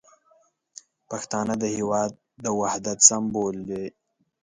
پښتانه د هیواد د وحدت سمبول دي.